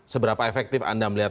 seberapa efektif anda melihat